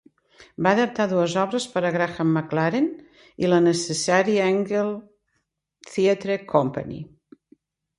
Va adaptar dues obres per a Graham McLaren i la Necessary Angel Theatre Company.